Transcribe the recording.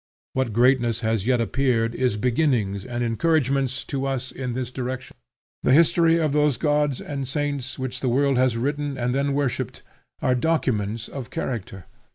What greatness has yet appeared is beginnings and encouragements to us in this direction. The history of those gods and saints which the world has written and then worshipped, are documents of character.